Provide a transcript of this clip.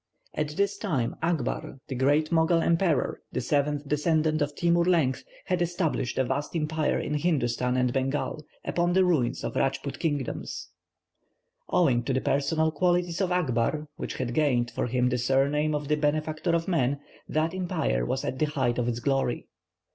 At this time Akbar, the great Mogul emperor, the seventh descendant of Timour Leng, had established a vast empire in Hindustan and Bengal, upon the ruins of the Rajpoot kingdoms. Owing to the personal qualities of Akbar, which had gained for him the surname of the Benefactor of Man, that empire was at the height of its glory.